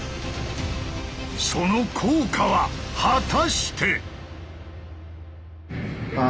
その効果は果たして？